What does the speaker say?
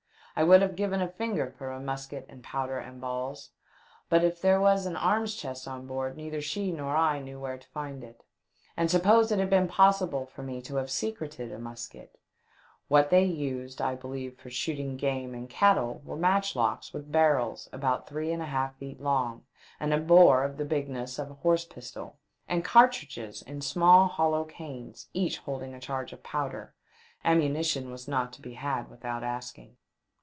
I would have given a finger for a musket and powder and balls ; but if there was an arms chest on board neither she nor I knew where to find it. And suppose it had been possible to me to have secreted a musket — what they used, I believe, for shooting game and cattle were match locks with barrels about three and a half feet long, and the bore of the bigness of a horse pistol, and cartridges in small hollow canes, each holding a charge of powder — am munition was not to be had without asking.